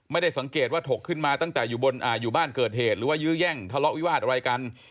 ไม่ได้สังเกตว่าถกขึ้นมาตั้งแต่อยู่บ้านเกิดเหตุหรือว่ายื้อแย่งทะเลาะวิวาสอะไรกัน